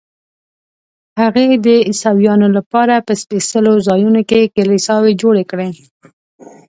هغې د عیسویانو لپاره په سپېڅلو ځایونو کې کلیساوې جوړې کړې.